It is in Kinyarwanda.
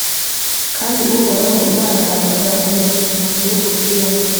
kandi uhoraho imana yawe azaguhera umugisha mu gihugu ugiyemo